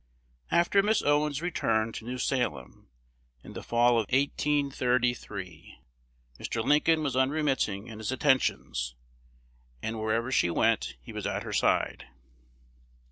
After Miss Owens's return to New Salem, in the fall of 1813, Mr. Lincoln was unremitting in his attentions; and wherever she went he was at her side.